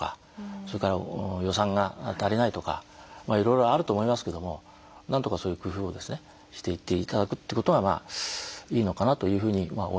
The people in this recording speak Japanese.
それから予算が足りないとかいろいろあると思いますけどもなんとかそういう工夫をですねしていって頂くってことがいいのかなというふうに思います。